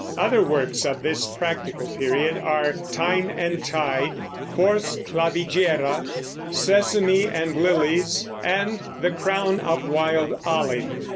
Other works of this practical period are Time and Tide, Fors Clavigera, Sesame and Lilies, and the Crown of Wild Olive.